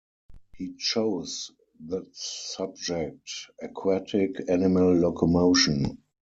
He chose the subject 'Aquatic Animal Locomotion'.